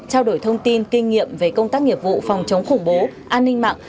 trao đổi thông tin kinh nghiệm về công tác nghiệp vụ phòng chống khủng bố an ninh mạng